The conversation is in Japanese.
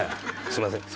すみません。